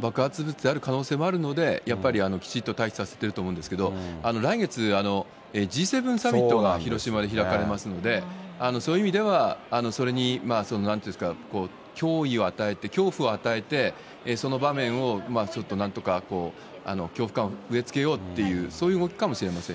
爆発物である可能性もあるので、やっぱり、きちっと対処はしていると思うんですけど、来月、Ｇ７サミットが広島で開かれますので、そういう意味では、それになんて言いますか、脅威を与えて、恐怖を与えて、その場面をちょっとなんとか、恐怖感を植えつけようっていうそういう動きかもしれませんし。